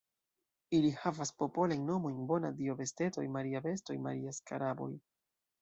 Ili havas popolajn nomojn: Bona-Dio-bestetoj, Maria-bestoj, Maria-skaraboj.